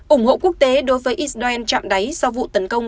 ủng hộ quốc tế đối với israel chạm đáy do vụ tấn công